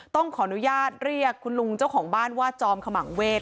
ต้องขออนุญาตเรียกคุณลุงเจ้าของบ้านว่าจอมขมังเวศ